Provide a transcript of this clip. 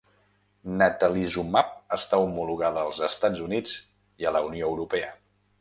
Natalizumab està homologada als Estats Units i a la Unió Europea.